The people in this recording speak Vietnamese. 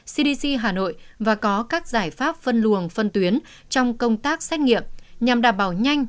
cdc hà nội và có các giải pháp phân luồng phân tuyến trong công tác xét nghiệm nhằm đảm bảo nhanh